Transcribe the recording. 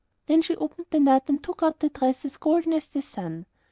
Then she opened the nut, and took out the dress as golden as the sun.